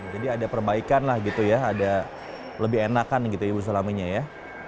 jadi ada perbaikan lah gitu ya ada lebih enakan gitu ibu sulaminya ya